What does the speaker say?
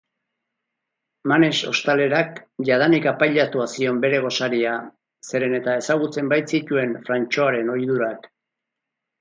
Manex ostalerak jadanik apailatua zion bere gosaria zeren eta ezagutzen baitzituen Frantxoaren ohidurak.